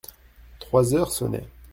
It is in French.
Trois heures sonnaient.